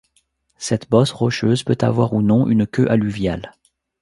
Cette bosse rocheuse peut avoir on non une queue alluviale.